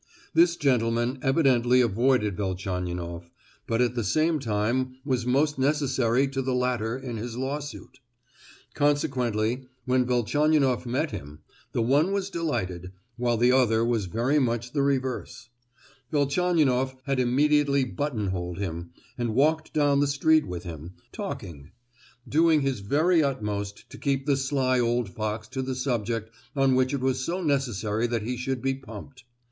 This gentleman evidently avoided Velchaninoff, but at the same time was most necessary to the latter in his lawsuit. Consequently, when Velchaninoff met him, the one was delighted, while the other was very much the reverse. Velchaninoff had immediately button holed him, and walked down the street with him, talking; doing his very utmost to keep the sly old fox to the subject on which it was so necessary that he should be pumped.